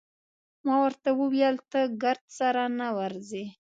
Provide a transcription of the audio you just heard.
ما ورته وویل: ته ګرد سره نه ورځې؟